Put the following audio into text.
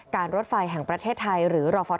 รถไฟแห่งประเทศไทยหรือรอฟ